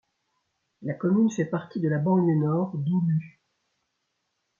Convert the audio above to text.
La commune fait partie de la banlieue nord d'Oulu.